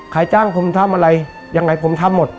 ใครจ้างผมทำอะไรยังไงผมทำหมด